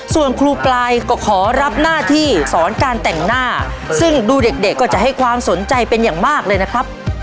ส่วนครูปลายก็ขอรับหน้าที่สอนการแต่งหน้าซึ่งดูเด็กเด็กก็จะให้ความสนใจเป็นอย่างมากเลยนะครับ